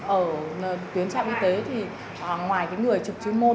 ở tuyến trạm y tế ngoài người trực chứng môn